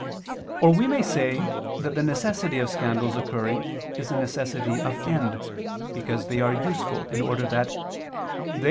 Or we may say that the necessity of scandals occurring is a necessity of end, because they are useful in order that "they